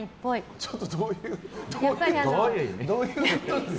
ちょっと、どういうことですか。